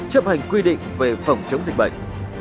chấp hành quy định về phòng chống dịch bệnh